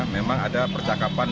memang ada percakapan